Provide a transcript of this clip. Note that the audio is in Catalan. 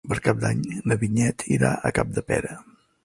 Per Cap d'Any na Vinyet irà a Capdepera.